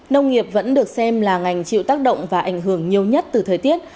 nông nghiệp vẫn được xem là ngành chịu tác động và ảnh hưởng nhiều nhất từ thời tiết